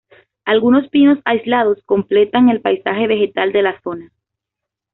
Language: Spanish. Algunos pinos aislados completan el paisaje vegetal de la zona.